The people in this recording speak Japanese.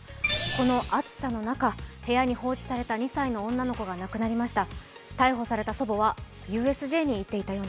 この暑さの中、部屋の放置された２歳の女の子が亡くなりました。